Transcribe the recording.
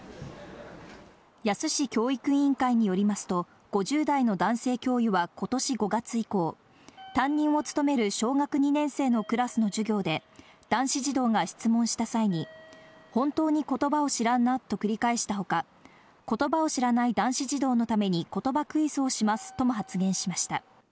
野洲市教育委員会によりますと、５０代の男性教諭はことし５月以降、担任を務める小学２年生のクラスの授業で、男子児童が質問した際に本当にことばを知らんなと繰り返したほか、ことばを知らない男子児童のためにことばクイズをしますとも発言しました。